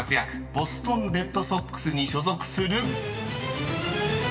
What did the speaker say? ボストン・レッドソックスに所属する］